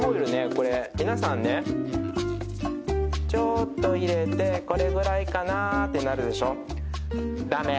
これ皆さんねちょっと入れてこれぐらいかなってなるでしょ